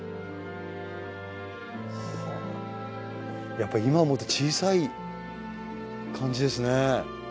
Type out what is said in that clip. やっぱ今思うと小さい感じですね。